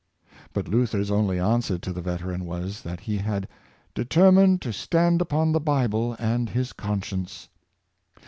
But Luther's only answer to the veteran was, that he had " determined to stand upon the Bible and his conscience."